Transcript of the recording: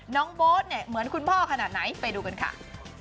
โบ๊ทเนี่ยเหมือนคุณพ่อขนาดไหนไปดูกันค่ะ